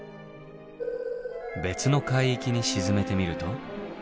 別の海域に沈めてみると。